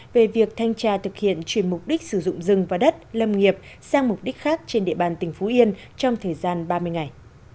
về việc thanh tra thực hiện chuyển mục đích sử dụng rừng và đất lâm nghiệp sang mục đích khác trên địa bàn tỉnh phú yên trong thời gian ba mươi ngày